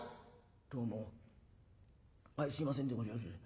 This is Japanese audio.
「どうもあいすいませんでごぜえやす。